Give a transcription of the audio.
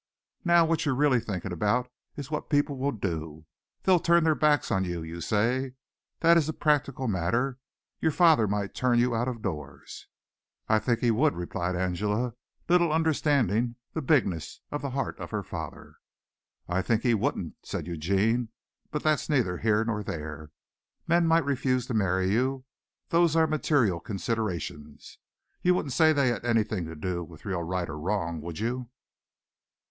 "Now what you're really thinking about is what people will do. They'll turn their backs on you, you say. That is a practical matter. Your father might turn you out of doors " "I think he would," replied Angela, little understanding the bigness of the heart of her father. "I think he wouldn't," said Eugene, "but that's neither here nor there. Men might refuse to marry you. Those are material considerations. You wouldn't say they had anything to do with real right or wrong, would you?"